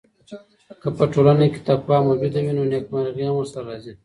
که په ټولنه کي تقوی موجوده وي نو نېکمرغي هم ورسره راځي.